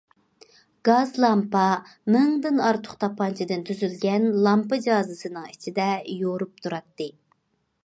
گاز لامپا مىڭدىن ئارتۇق تاپانچىدىن تۈزۈلگەن لامپا جازىسىنىڭ ئىچىدە يورۇپ تۇراتتى.